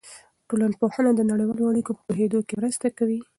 ټولنپوهنه د نړیوالو اړیکو په پوهېدو کې مرسته کوي.